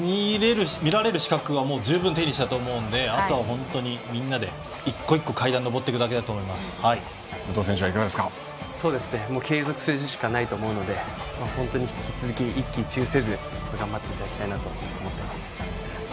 見れる資格は十分手にしたと思うのであとはみんなで１個１個、階段を継続するしかないと思うので引き続き一喜一憂せず頑張っていただきたいと思っています。